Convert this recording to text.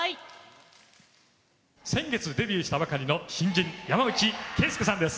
先月デビューしたばかりの新人、山内惠介さんです。